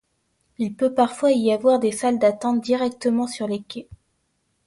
Il peut parfois y avoir des salles d'attente directement sur les quais.